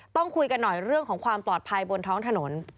ต้องคุยกันหน่อยเรื่องของความปลอดภัยบนท้องถนน